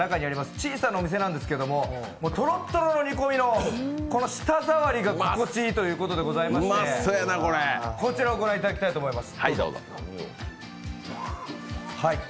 小さなお店なんですけども、とろっとろの煮込みの舌触りが心地いいということでございましてこちらをご覧いただきたいと思います。